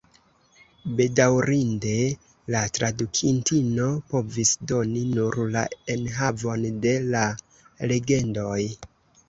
Bedaŭrinde, la tradukintino povis doni nur la enhavon de la legendoj.